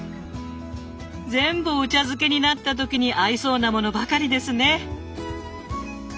全部お茶漬けになった時に合いそうなものばかりですね。